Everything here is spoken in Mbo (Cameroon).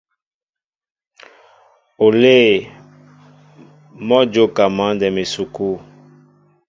Olê mɔ́ a jóka mǎndɛm esukû.